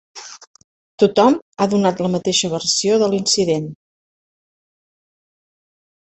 Tothom ha donat la mateixa versió de l'incident.